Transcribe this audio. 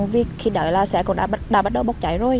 vì khi đó là xe cũng đã bắt đầu bốc cháy rồi